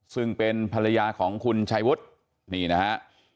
ซึ่งเป็นภรรยาของคุณชายวุฒินี่นะฮะ